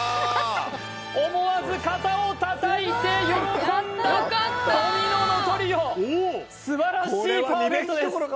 思わず肩を叩いて喜んだドミノのトリオ素晴らしいパーフェクトです